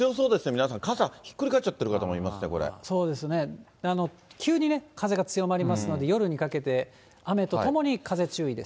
皆さん、傘、ひっくり返っちゃってる方もいますね、急にね、風が強まりますんで、夜にかけて、雨とともに風、注意です。